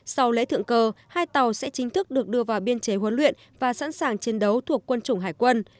sau lễ thượng cờ hai tàu sẽ chính thức được đưa vào biên chế huấn luyện và sẵn sàng chiến đấu thuộc quân chủng hải quân